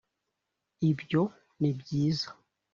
ibyo ni byiza.